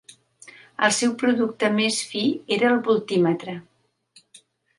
El seu producte més fi era el voltímetre.